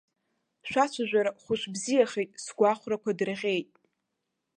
Шәацәажәара хәышәбзиахеит, сгәы ахәрақәа дырӷьеит.